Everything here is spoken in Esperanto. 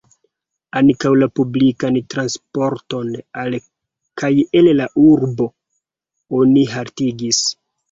Ankaŭ la publikan transporton al kaj el la urbo oni haltigis.